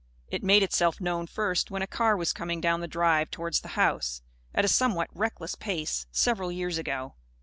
It made itself known, first, when a car was coming down the drive towards the house, at a somewhat reckless pace, several years ago.